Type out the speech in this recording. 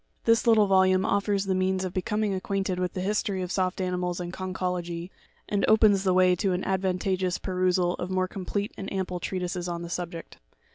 This little volume offers the means of becoming acquainted with the history of soft animals and conchology, and opens the way to an advantageous perusal of more complete and ample treatises on the subject.